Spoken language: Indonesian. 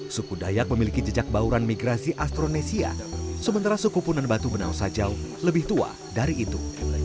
suku dayak memiliki jejak bauran migrasi astronesia sementara suku punan batu benau sajau lebih tua dari itu